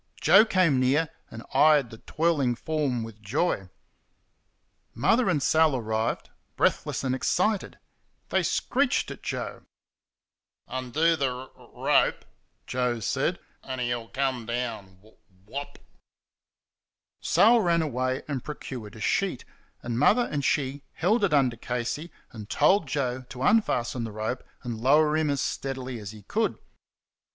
Joe came near and eyed the twirling form with joy. Mother and Sal arrived, breathless and excited. They screeched at Joe. "Undo th' r r rope," Joe said, "an' he'll come w w WOP." Sal ran away and procured a sheet, and Mother and she held it under Casey, and told Joe to unfasten the rope and lower him as steadily as he could.